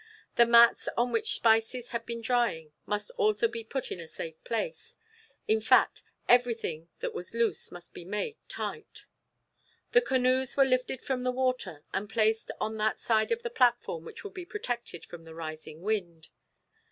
The mats, on which spices had been drying, must also be put in a safe place. In fact, everything that was loose must be made tight. The canoes were lifted from the water, and placed on that side of the platform which would be protected from the rising wind.